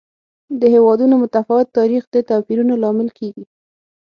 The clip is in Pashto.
د هېوادونو متفاوت تاریخ د توپیرونو لامل کېږي.